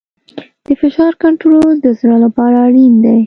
د فشار کنټرول د زړه لپاره اړین دی.